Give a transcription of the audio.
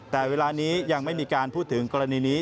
แต่เวลานี้ยังไม่มีการพูดถึงกรณีนี้